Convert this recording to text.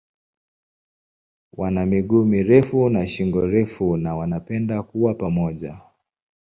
Wana miguu mirefu na shingo refu na wanapenda kuwa pamoja.